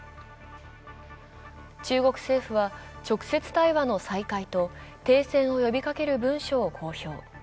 中国政府は直接対話の再開と停戦を呼びかける文書を公表。